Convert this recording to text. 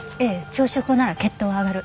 朝食後なら血糖は上がる。